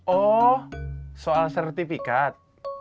oh soal sertifikat